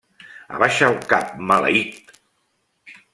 Abaixa el cap, maleït!